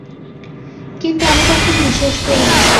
কিন্তু আমি তখন বিশ্বাস করিনি।